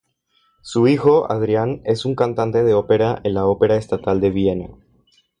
Su hijo, Adrián, es un cantante de ópera en la Ópera Estatal de Viena.